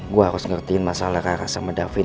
gua harus ngertiin masalah rara sama davin